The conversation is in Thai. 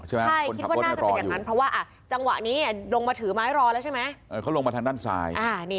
ขึ้นว่าน่าได้อย่างนั้นจังหวะที่ลงมาถึงถึงทางด้านซ้าย